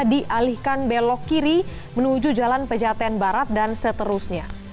dialihkan belok kiri menuju jalan pejaten barat dan seterusnya